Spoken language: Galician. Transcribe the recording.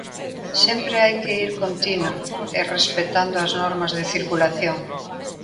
Sempre hai que ir con tino, e respectando as normas de circulación.